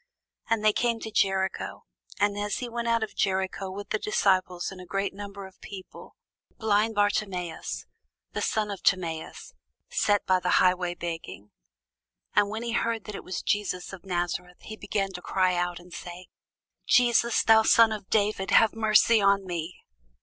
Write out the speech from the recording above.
And they came to Jericho: and as he went out of Jericho with his disciples and a great number of people, blind Bartimæus, the son of Timæus, sat by the highway side begging. And when he heard that it was Jesus of Nazareth, he began to cry out, and say, Jesus, thou son of David, have mercy on me.